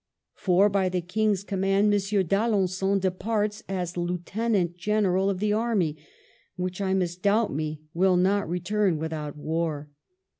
For by the King's com mand M. d'Alengon departs as lieutenant general of the army, which, I misdoubt me, will not return with out war.